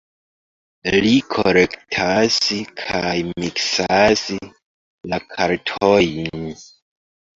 Li kolektas kaj miksas la kartojn.